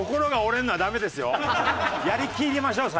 やり切りましょう。